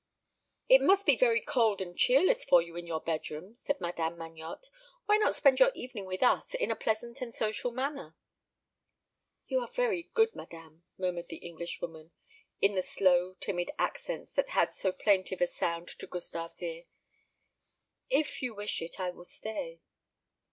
"It must be very cold and cheerless for you in your bedroom," said Madame Magnotte; "why not spend your evening with us, in a pleasant and social manner?" "You are very good, madame," murmured the Englishwoman, in the slow timid accents that had so plaintive a sound to Gustave's ear; "if you wish it, I will stay."